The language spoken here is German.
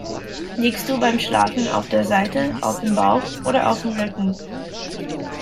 Liegst du beim Schlafen auf der Seite, auf dem Bauch oder auf dem Rücken?